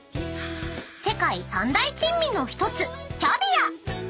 ［世界三大珍味の１つキャビア］